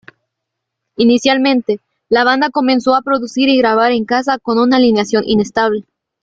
Inicialmente, la banda comenzó a producir y grabar en casa con una alineación inestable.